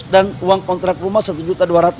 dan uang kontrak rumah rp satu dua ratus